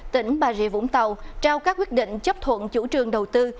tỉnh bà rịa vũng tàu trao các quyết định chấp thuận chủ trương đầu tư